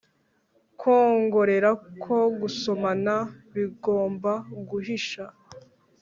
kwongorera ko gusomana bigomba guhisha!